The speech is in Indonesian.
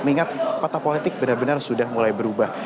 mengingat peta politik benar benar sudah mulai berubah